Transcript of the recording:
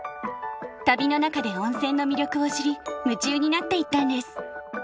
旅の中で温泉の魅力を知り夢中になっていったんです。